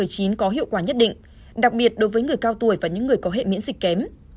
có hiệu quả nhất định đặc biệt đối với người cao tuổi và những người có hệ miễn dịch kém